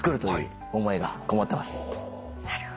なるほど。